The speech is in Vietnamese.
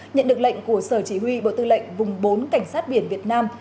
nhận được lệnh của sở chỉ huy bộ tư lệnh vùng bốn cảnh sát biển việt nam